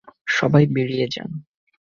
সবাই বেরিয়ে যান!